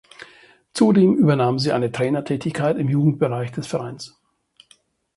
Zudem übernahm sie eine Trainertätigkeit im Jugendbereich des Vereins.